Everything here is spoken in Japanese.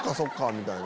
みたいな。